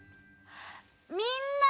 みんな！